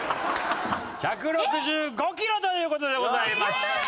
１６５キロという事でございました。